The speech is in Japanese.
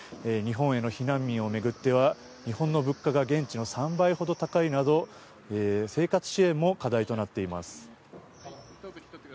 日本への避難民を巡っては日本の物価が現地の３倍ほど高いなど生活支援も課題となっています。